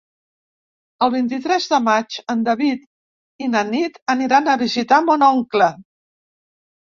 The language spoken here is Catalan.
El vint-i-tres de maig en David i na Nit aniran a visitar mon oncle.